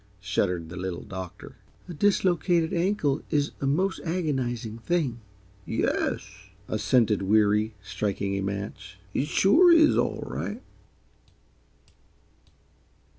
shuddered the Little Doctor. "A dislocated ankle is a most agonizing thing." "Yes," assented Weary, striking a match, "it sure is, all right."